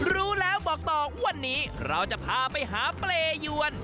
รู้แล้วบอกต่อวันนี้เราจะพาไปหาเปรยวน